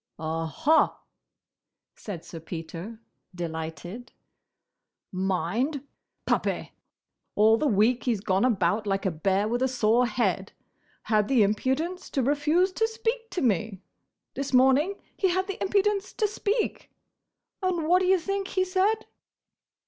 "Aha!" said Sir Peter, delighted. "Mind! Puppy! All the week he's gone about like a bear with a sore head! Had the impudence to refuse to speak to me! This morning he had the impudence to speak! And what d' ye think he said?"